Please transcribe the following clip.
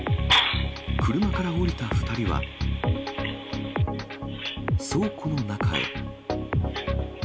車から降りた２人は倉庫の中へ。